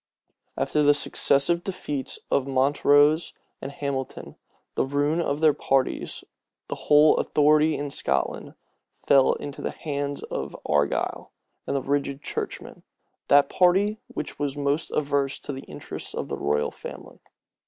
After the successive defeats of Montrose and Hamilton, and the ruin of their parties, the whole authority in Scotland fell into the hands of Argyle and the rigid churchmen, that party which was most averse to the interests of the royal family.